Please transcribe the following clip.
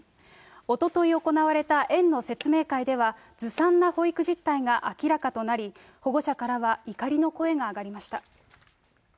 おととい行われた園の説明会では、ずさんな保育実態が明らかとなり、保護者からは怒りの声が上がりました。